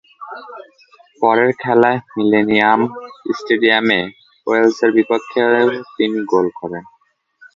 পরের খেলায় মিলেনিয়াম স্টেডিয়ামে ওয়েলসের বিপক্ষেও তিনি গোল করেন।